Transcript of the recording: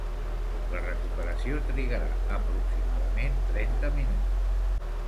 La recuperació trigarà aproximadament trenta minuts.